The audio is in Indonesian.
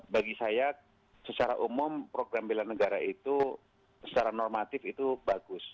bagi saya secara umum program bela negara itu secara normatif itu bagus